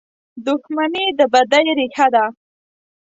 • دښمني د بدۍ ریښه ده.